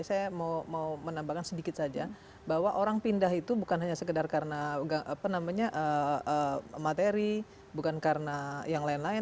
saya mau menambahkan sedikit saja bahwa orang pindah itu bukan hanya sekedar karena materi bukan karena yang lain lain